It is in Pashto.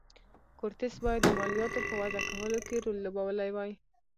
کورتس باید د مالیاتو په وضعه کولو کې رول لوبولی وای.